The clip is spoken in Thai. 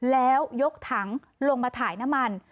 แล้วยกถังลงมาถ่ายน้ำมัน